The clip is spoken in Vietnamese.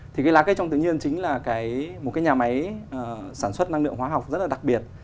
thì cái lá cây trong tự nhiên chính là một cái nhà máy sản xuất năng lượng hóa học rất là đặc biệt